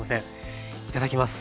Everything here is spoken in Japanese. いただきます。